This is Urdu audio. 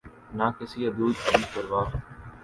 نہ کسی حدود کی پروا۔